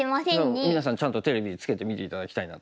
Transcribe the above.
うんみなさんちゃんとテレビつけて見て頂きたいなと。